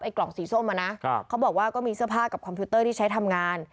กล่องสีส้มอ่ะนะเขาบอกว่าก็มีเสื้อผ้ากับคอมพิวเตอร์ที่ใช้ทำงาน